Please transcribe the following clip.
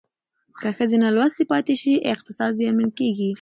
که ښځې نالوستې پاتې شي اقتصاد زیانمن کېږي.